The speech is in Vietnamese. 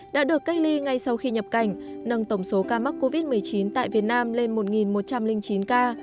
đã được cách ly ngay sau khi nhập cảnh nâng tổng số ca mắc covid một mươi chín tại việt nam lên một một trăm linh chín ca